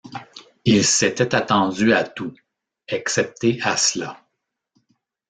Il s’était attendu à tout, excepté à cela.